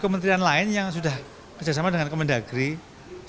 kementerian lain yang sudah kerjasama dengan kementerian dari kementerian dari